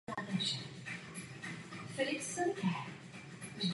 Je to jednoduše nemožné.